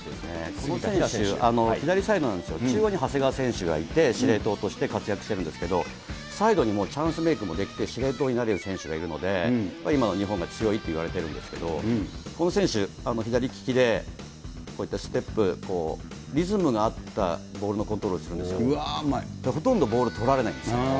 この選手、左サイドなんですよ、中盤に長谷川選手がいて、司令塔として活躍してるんですけど、サイドにもチャンスメークもできて、司令塔になれる選手がいるので、今の日本が強いといわれてるんですけれども、この選手、左利きでこういったステップ、リズムの合ったボールのコントロールするんですけど、ほとんどボール取られないんですよ。